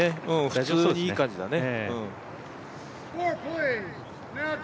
普通にいい感じだね。